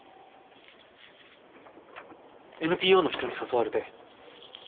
ＮＰＯの人に誘われて。